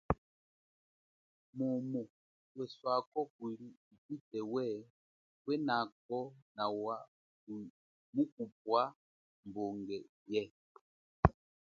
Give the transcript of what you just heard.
Mumu kweswako kuli upite we, kwenako nawa mukupwa mbunge ye.